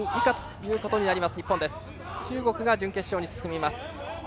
その場合、中国が準決勝に進みます。